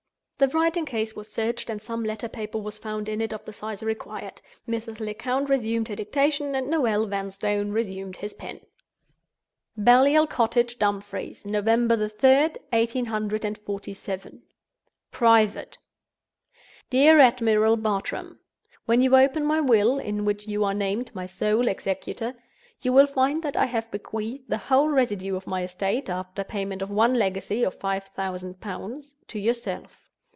The writing case was searched, and some letter paper was found in it of the size required. Mrs. Lecount resumed her dictation; and Noel Vanstone resumed his pen. "Baliol Cottage, Dumfries, "November 3d, 1847. "Private. "DEAR ADMIRAL BARTRAM, "When you open my Will (in which you are named my sole executor), you will find that I have bequeathed the whole residue of my estate—after payment of one legacy of five thousand pounds—to yourself.